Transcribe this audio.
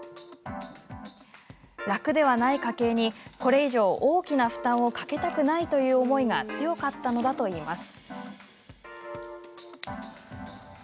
楽ではない家計に、これ以上大きな負担をかけたくないという思いが強かったのだといいます。